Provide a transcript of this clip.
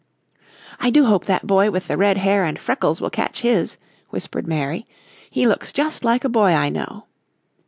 "I do hope that boy with the red hair and freckles will catch his," whispered Mary; "he looks just like a boy I know."